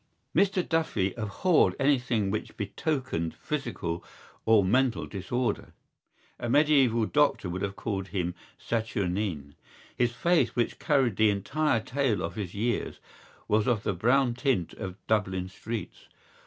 Mr Duffy abhorred anything which betokened physical or mental disorder. A mediæval doctor would have called him saturnine. His face, which carried the entire tale of his years, was of the brown tint of Dublin streets.